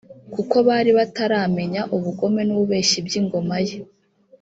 kuko bari bataramenya ubugome n’ububeshyi by’ingoma ye